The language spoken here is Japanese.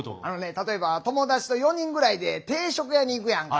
例えば友達と４人ぐらいで定食屋に行くやんか。